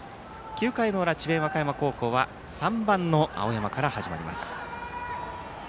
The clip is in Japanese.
９回の裏、智弁和歌山は３番の青山から始まります。